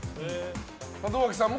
門脇さんも？